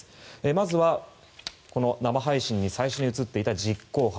まずは生配信に最初に映っていた実行犯。